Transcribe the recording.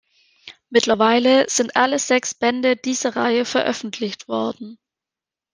Mittlerweile sind alle sechs Bände dieser Reihe veröffentlicht worden.